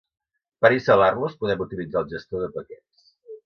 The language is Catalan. Per instal·lar-los, podem utilitzar el gestor de paquets.